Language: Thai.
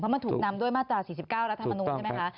มันถูกนำด้วยมาตรา๔๙รัฐมนูลใช่ไหมคะ